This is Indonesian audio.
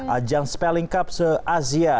ajang spelling cup se asia